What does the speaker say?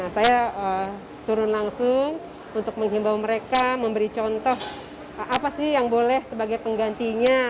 saya turun langsung untuk menghimbau mereka memberi contoh apa sih yang boleh sebagai penggantinya